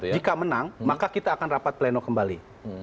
jika menang maka kita akan rapat pleno kembali